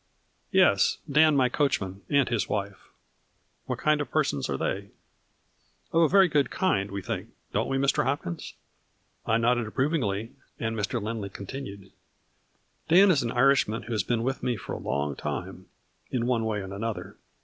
" Yes, Dan, my coachman, and his wife. " What kind of persons are they?" " Of a very good kind, we think, don't we, Mr. Hopkins ?" 3 04 4 tfJ&ii 1' IN DIAMONDS. I nodded approvingly and Mr. Lindley con tinued :" Dan is an Irishman who has been with me for a long time, in one way and another.